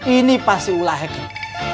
ini pasti ulah hekin